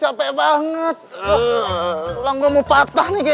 sengajapun lalu dope yang karakter bertumbuh snapdragon keras